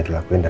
terima kasih ya